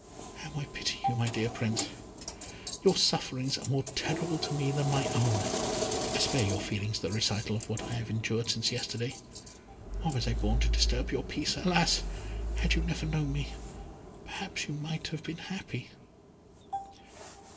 "How I pity you, my dear Prince; your sufferings are more terrible to me than my own. I spare your feelings the recital of what I have endured since yesterday. Why was I born to disturb your peace? Alas! had you never known me, perhaps you might have been happy."